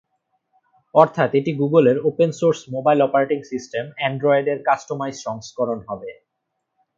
অর্থাৎ, এটি গুগলের open source mobile operating system অ্যান্ড্রয়েডের কাস্টোমাইজ সংস্করণ হবে।